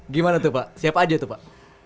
gimana tuh pak siapa aja tuh pak